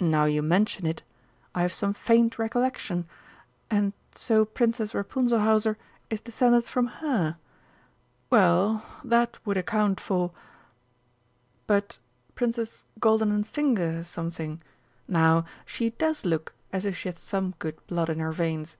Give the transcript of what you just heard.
"Now you mention it, I have some faint recollection and so Princess Rapunzelhauser is descended from her! Well, that would account for but Princess Goldenenfinger something, now, she does look as if she had some good blood in her veins."